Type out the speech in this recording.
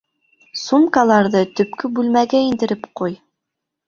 Сумкаларҙы төпкө бүлмәгә индереп ҡуй!